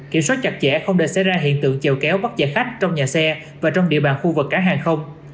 kiểm soát chặt chẽ không để xảy ra hiện tượng trèo kéo bắt chạy khách trong nhà xe và trong địa bàn khu vực cảng hàng không